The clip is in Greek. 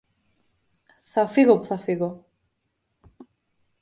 Θα φύγω που θα φύγω!